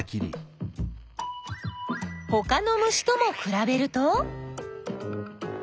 ほかの虫ともくらべると？